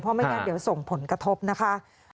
เพราะไม่ได้เดี๋ยวส่งผลกระทบนะคะ